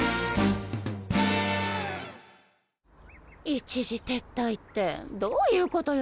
一時撤退ってどういうことよ？